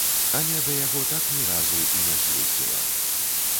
Але да яго так ні разу і не з'ездзіла.